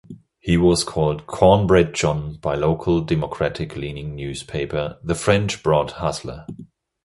He was called "Cornbread John" by local Democratic-leaning newspaper, "The French Broad Hustler".